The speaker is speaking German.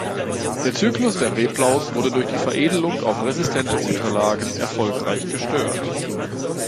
Der Zyklus der Reblaus wurde durch die Veredelung auf resistente Unterlagen erfolgreich gestört.